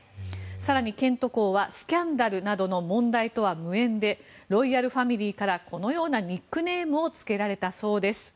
更にケント公はスキャンダルなどの問題と無縁でロイヤルファミリーからこのようなニックネームをつけられたそうです。